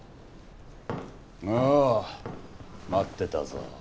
おう待ってたぞ。